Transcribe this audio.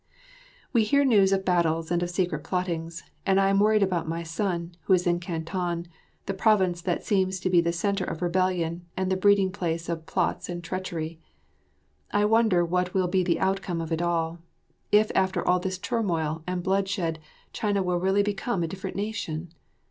We hear news of battles and of secret plottings, and I am worried about my son, who is in Canton, the province that seems to be the centre of rebellion and the breeding place of plots and treachery. I wonder what will be the outcome of it all; if after all this turmoil and bloodshed China will really become a different nation?